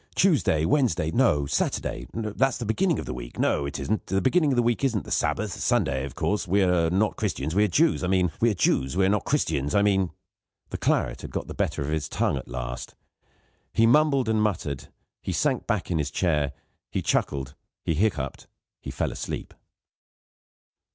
Tuesday, Wednesday no, Saturday that's the beginning of the week no, it isn't the beginning of the week isn't the Sabbath Sunday, of course we are not Christians, we are Jews I mean we are Jews, we are not Christians I mean " The claret got the better of his tongue, at last. He mumbled and muttered; he sank back in his chair; he chuckled; he hiccupped; he fell asleep.